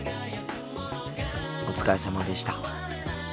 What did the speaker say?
お疲れさまでした。